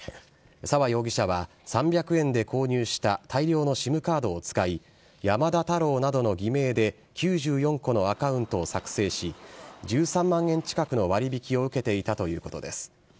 沢容疑者は３００円で購入した大量のＳＩＭカードを使い、山田太郎などの偽名で、９４個のアカウントを作成し、１３万円近くの割引を受けていたということです。